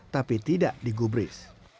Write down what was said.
tapi tidak digubris